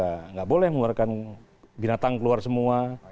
tidak boleh mengeluarkan binatang keluar semua